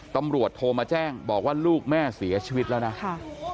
ตำรวจโทรมาแจ้งบอกว่าลูกแม่เสียชีวิตแล้วนะค่ะ